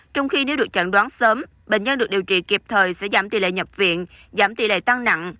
trong khi nếu được chẩn đoán sớm bệnh nhân được điều trị kịp thời sẽ giảm tỷ lệ nhập viện giảm tỷ lệ tăng nặng